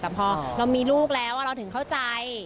แต่พอเรามีลูกแล้วเราถึงเข้าใจ